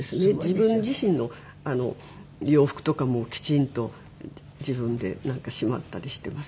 自分自身の洋服とかもきちんと自分でしまったりしてますね。